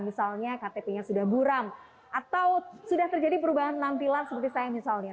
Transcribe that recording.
misalnya ktp nya sudah buram atau sudah terjadi perubahan penampilan seperti saya misalnya